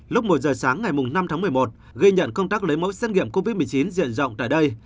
lúc một giờ sáng ngày năm tháng một mươi một ghi nhận công tác lấy mẫu xét nghiệm covid một mươi chín diện rộng tại đây